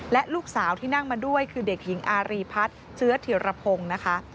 และลูกสาวที่นั่งมาด้วยคือเด็กหญิงอารีพัฒน์เชื้อเทียรพงศ์นะคะ